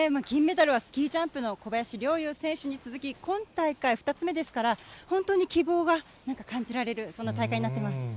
金メダルはスキージャンプの小林陵侑選手に続き、今大会２つ目ですから、本当に希望がなんか感じられる、そんな大会になってます。